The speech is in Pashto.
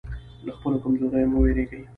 له خپلو کمزوریو مه وېرېږئ.